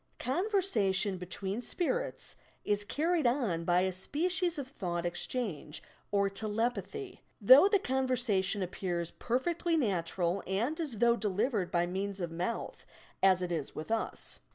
Conversation between "spirits" is carried on by a species of thought exchange or telep athy, though the conversation appears perfectly natural and as though delivered by means of mouth, as it is with us.